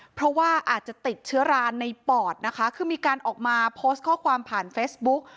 เพราะว่าอาจจะติดเชื้อราในปอดนะคะคือมีการออกมาโพสต์ข้อความผ่านเฟซบุ๊ก